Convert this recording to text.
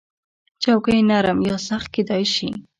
چوکۍ نرم یا سخت کېدای شي.